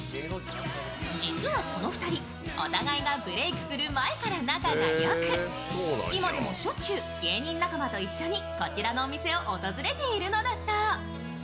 実はこの２人、お互いがブレークする前から仲が良く、今でもしょっちゅう芸人仲間と一緒にこちらのお店を訪れているのだそう。